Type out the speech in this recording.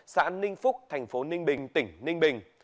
xã ninh phúc thành phố ninh bình tỉnh ninh bình